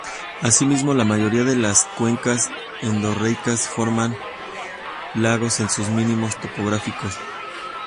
Asimismo, la mayoría de las cuencas endorreicas forman lagos en sus mínimos topográficos.